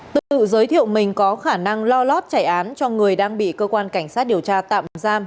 tự giới thiệu mình có khả năng lo lót chảy án cho người đang bị cơ quan cảnh sát điều tra tạm giam